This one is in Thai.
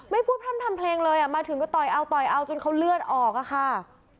ไม่พูดพรรมทำเพลงเลยมาถึงก็ต่อยเอาจนเขาเลือดออกอะค่ะ